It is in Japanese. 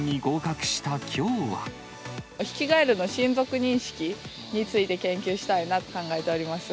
ヒキガエルの親族認識について研究したいなと考えております。